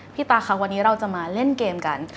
ตาค่ะวันนี้เราจะมาเล่นเกมกัน